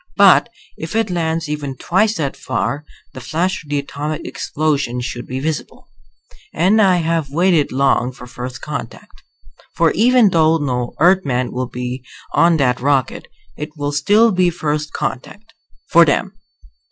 But if it lands even twice that far the flash of the atomic explosion should be visible. And I have waited long for first contact. For even though no Earthman will be on that rocket, it will still be first contact for them.